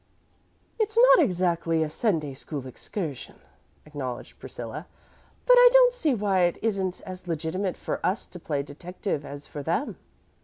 "It's not exactly a Sunday school excursion," acknowledged Priscilla, "but I don't see why it isn't as legitimate for us to play detective as for them."